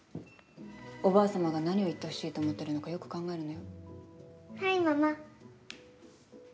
おばあ様が、何を言ってほしいと思っているのかはい、ママ。